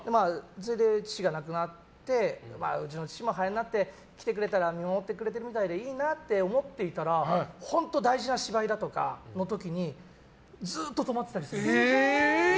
父が亡くなってうちの父もハエになって来てくれたら見守ってくれてるみたいでいいなって思っていたら本当、大事な芝居だとかの時にずっと止まってたりするんです。